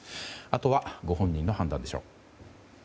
あとは、ご本人の判断でしょう。